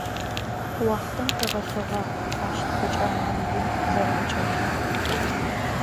Уахътэм къыгъэлъэгъуагъ ащ тхэкӏэ амал ин зэрэӏэкӏэлъыр.